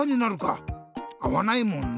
あわないもんねぇ。